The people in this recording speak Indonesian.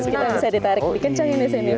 kita bisa ditarik dikecang di sini